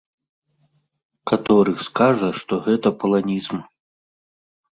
Каторы скажа, што гэта паланізм.